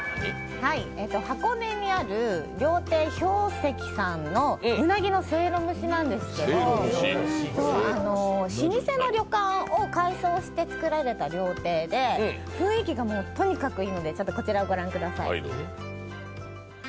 箱根にある料亭俵石さんの鰻の蒸籠蒸しなんですけど老舗の旅館を改装してつくられた料亭で雰囲気がとにかくいいので、こちらを御覧ください。